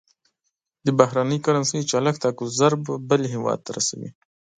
د بهرنۍ کرنسۍ چلښت حق الضرب بل هېواد ته رسوي.